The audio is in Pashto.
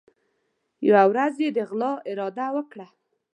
یوه ورځ یې د غلا اراده وکړه.